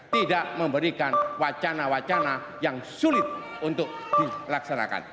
tidak memberikan wacana wacana yang sulit untuk dilaksanakan